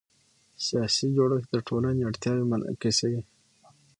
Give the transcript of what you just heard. سیاسي جوړښت د ټولنې اړتیاوې منعکسوي